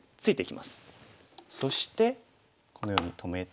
そしてこのように止めて。